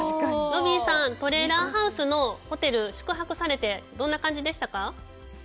ロビーさん、トレーラーハウスのホテル、宿泊されて、どんな感じでしたか。